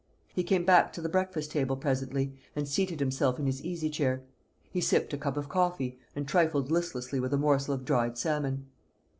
He came back to the breakfast table presently, and seated himself in his easy chair. He sipped a cup of coffee, and trifled listlessly with a morsel of dried salmon.